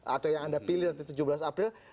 atau yang anda pilih nanti tujuh belas april